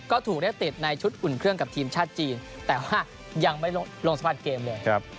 ก็ถูกได้ติดในชุดอุ่นเครื่องกับทีมชาติจีนแต่ว่ายังไม่ลงสัมผัสเกมเลย